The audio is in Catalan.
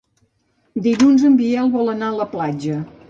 Dilluns en Biel vol anar a la platja.